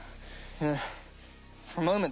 うん！